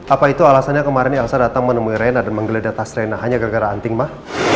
apa itu alasannya kemarin elsa dateng menemui rena dan menggeledah tas rena hanya gara gara anting mbak